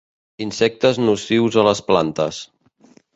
Insectes nocius a les plantes.